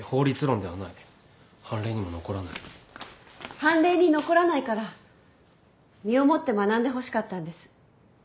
判例に残らないから身をもって学んでほしかったんです。